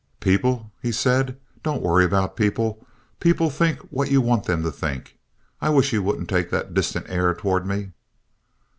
"People," he said, "don't worry about people. People think what you want them to think. I wish you wouldn't take that distant air toward me."